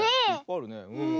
あるね。